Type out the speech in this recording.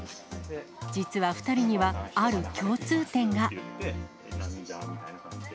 実は２人にはある共通点が。